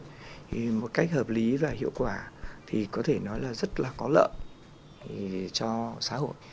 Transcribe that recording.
thì một cách hợp lý và hiệu quả thì có thể nói là rất là có lợi cho xã hội